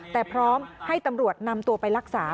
แต่พร้อมให้ตำรวจนำตัวไปรักษา